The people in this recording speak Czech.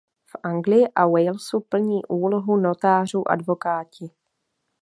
V Anglii a Walesu plní úlohu notářů advokáti.